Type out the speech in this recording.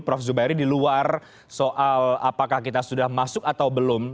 prof zubairi di luar soal apakah kita sudah masuk atau belum